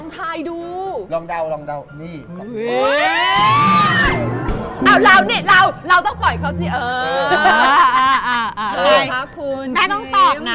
ก๊อบอนวัสจะสนิทกัน